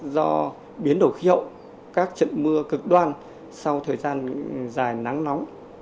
do biến đổi khí hậu các trận mưa cực đoan sau thời gian dài nắng nóng